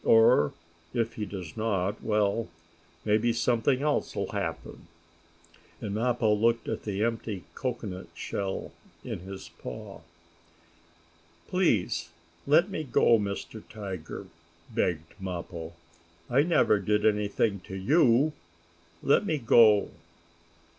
Or, if he does not, well, maybe something else will happen," and Mappo looked at the empty cocoanut shell in his paw. "Please let me go, Mr. Tiger!" begged Mappo. "I never did anything to you. Let me go!"